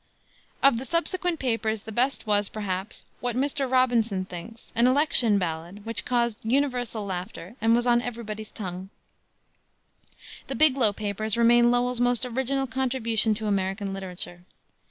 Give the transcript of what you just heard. Of the subsequent papers the best was, perhaps, What Mr. Robinson Thinks, an election ballad, which caused universal laughter, and was on every body's tongue. The Biglow Papers remain Lowell's most original contribution to American literature.